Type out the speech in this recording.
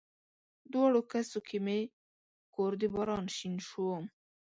دواړو کسو کې مې کور د باران شین شو